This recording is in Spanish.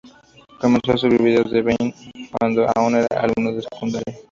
Comenzó a subir videos a Vine cuando aún era alumno de secundaria.